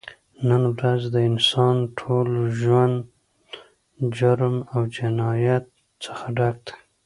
نن ورځ د انسان ټول ژون د جرم او جنایت څخه ډک دی